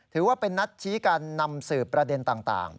ถือว่าเป็นนัดชี้กันนำสืบประเด็นต่าง